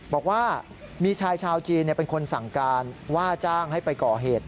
บอกว่ามีชายชาวจีนเป็นคนสั่งการว่าจ้างให้ไปก่อเหตุ